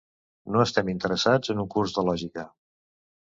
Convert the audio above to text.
No estem interessats en un curs de lògica.